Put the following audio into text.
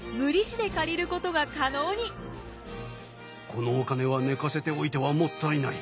このお金は寝かせておいてはもったいない。